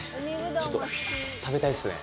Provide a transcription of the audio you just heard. ちょっと食べたいですね。